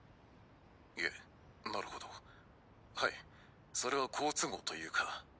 いえなるほどはいそれは好都合というか。